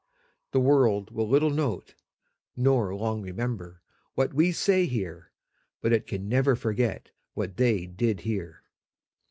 The world will little note, nor long remember, what we say here, but it can never forget what they did here.